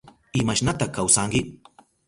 ¿Imashnata kawsanki?